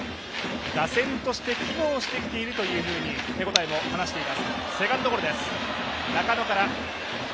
打線として機能してきていると手応えも話しています。